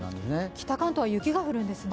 北関東は雪が降るんですね。